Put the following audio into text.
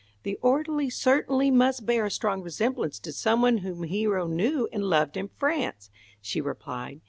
"The orderly certainly must bear a strong resemblance to some one whom Hero knew and loved in France," she replied.